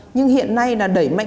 nhưng hiện nay là đẩy mạnh